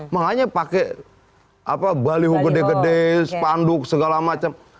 makanya pakai baliho gede gedes panduk segala macam